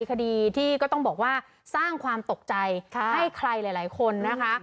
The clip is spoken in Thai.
คดีที่ก็ต้องบอกว่าสร้างความตกใจให้ใครหลายคนนะคะ